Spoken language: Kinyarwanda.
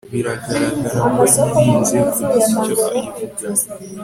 biragaragara ko yirinze kugira icyo ivuga